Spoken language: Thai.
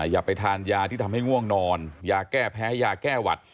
อย่าไปทานยาที่ทำให้ง่วงนอนยาแก้แพ้ยาแก้หวัด